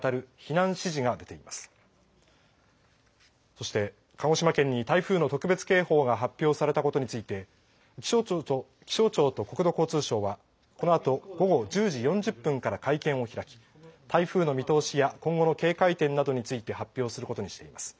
そして鹿児島県に台風の特別警報が発表されたことについて気象庁と国土交通省はこのあと午後１０時４０分から会見を開き台風の見通しや今後の警戒点などについて発表することにしています。